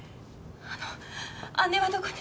あの姉はどこに？